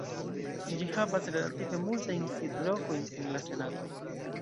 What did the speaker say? Ĝi havas relative multajn sidlokojn en la senato.